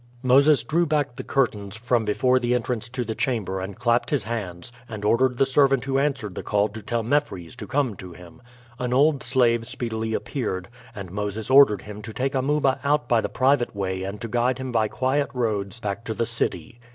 Moses drew back the curtains from before the entrance to the chamber and clapped his hands, and ordered the servant who answered the call to tell Mephres to come to him. An old slave speedily appeared, and Moses ordered him to take Amuba out by the private way and to guide him by quiet roads back to the city.